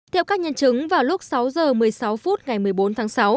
theo các nhân chứng vào lúc sáu h một mươi sáu phút ngày một mươi bốn tháng sáu